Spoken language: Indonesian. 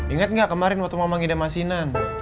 ingat nggak kemarin waktu mama ngidam asinan